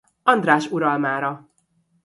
András uralmára.